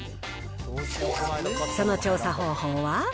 その調査方法は。